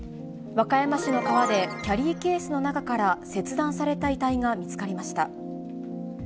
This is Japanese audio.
和歌山市の川でキャリーケースの中から切断された遺体が見つかりました。